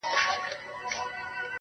سترگه وره مي په پت باندي پوهېږي_